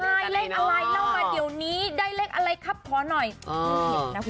ใช่เลขอะไรเล่ามาเดี๋ยวนี้ได้เลขอะไรครับขอหน่อยไม่เห็นนะคุณ